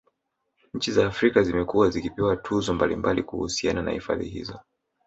Nchi za Afrika Zimekuwa zikipewa tuzo mbalimbali kuhusiana na hifadhi hizo